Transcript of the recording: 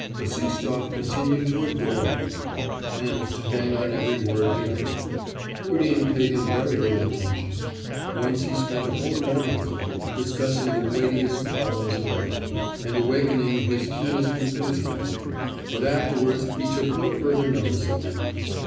Bassistoff continued to adore Rudin, and to hang on every word he uttered. Rudin paid him very little attention. Once he spent a whole morning with him, discussing the weightiest problems of life, and awakening his keenest enthusiasm, but afterwards he took no further notice of him.